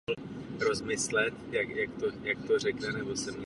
Chceme snížit byrokracii a chceme udržet hygienické normy.